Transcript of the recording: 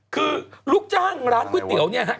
คือลูกจ้างร้านก๋วยเตี๋ยวเนี่ยฮะ